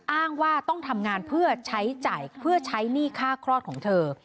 อ้างว่าต้องทำงานเพื่อใช้จ่ายเพื่อใช้หนี้ค่าคลอดของเธอ